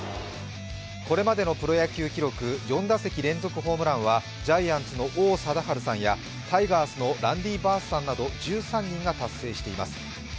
これまでのプロ野球記録、４打席連続ホームランはジャイアンツの王貞治さんやタイガースのランディ・バースさんなど１３人が達成しています。